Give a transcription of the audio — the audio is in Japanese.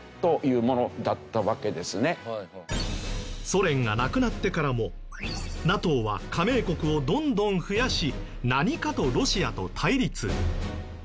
ソ連がなくなってからもＮＡＴＯは加盟国をどんどん増やし何かとロシアと対立。